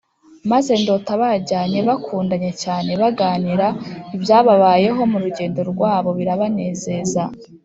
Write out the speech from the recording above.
Maze ndota bajyanye bakundanye cyane, baganira ibyababayeho mu rugendo rwabo, birabanezeza